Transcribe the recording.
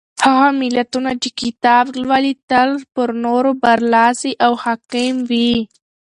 هغه ملتونه چې کتاب لولي تل پر نورو برلاسي او حاکم وي.